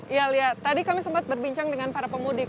iya lia tadi kami sempat berbincang dengan para pemudik